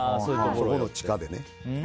そこの地下で。